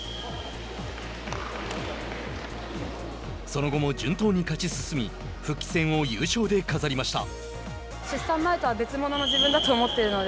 その後も順当に勝ち進み復帰戦を優勝で飾りました。